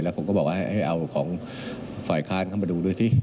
ผมก็บอกว่าให้เอาของฝ่ายค้านเข้ามาดูด้วยสิ